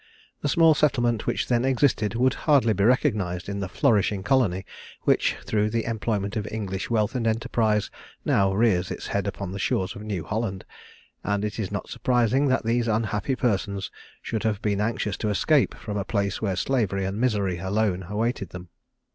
The small settlement which then existed would be hardly recognised in the flourishing colony which, through the employment of English wealth and enterprise, now rears its head upon the shores of New Holland; and it is not surprising that these unhappy persons should have been anxious to escape from a place where slavery and misery alone awaited them.